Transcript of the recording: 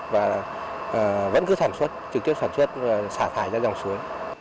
và vẫn cứ sản xuất trực tiếp sản xuất và xả thải ra dòng suối